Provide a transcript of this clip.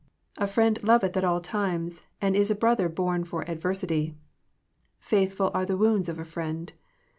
" A friend loveth at all times, and is a brother born for adversity. Faithful are the wounds of a friend.